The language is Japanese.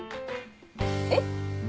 えっ？